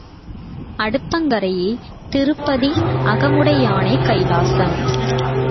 அடுப்பங் கரையே திருப்பதி அகமுடையானே கைலாசம்.